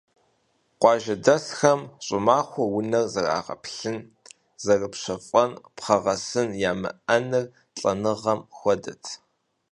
Къуажэдэсхэм щӀымахуэм унэр зэрагъэплъын, зэрыпщэфӀэн пхъэгъэсын ямыӀэныр лӀэныгъэм хуэдэт.